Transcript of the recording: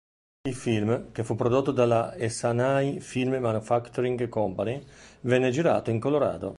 Il film, che fu prodotto dalla Essanay Film Manufacturing Company, venne girato in Colorado.